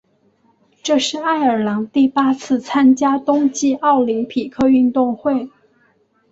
这是爱尔兰第八次参加冬季奥林匹克运动会。